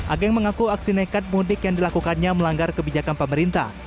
ageng mengaku aksi nekat mudik yang dilakukannya melanggar kebijakan pemerintah